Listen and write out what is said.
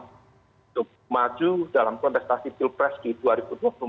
untuk maju dalam kontestasi pilpres di dua ribu dua puluh empat